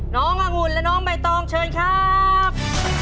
น้ององุ่นและน้องใบตองเชิญครับ